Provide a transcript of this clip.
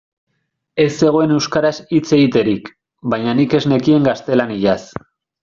Ez zegoen euskaraz hitz egiterik, baina nik ez nekien gaztelaniaz.